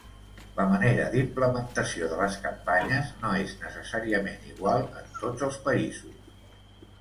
La manera d'implementació de les campanyes no és necessàriament igual en tots els països.